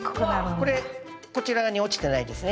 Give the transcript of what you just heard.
これこちら側に落ちてないですね。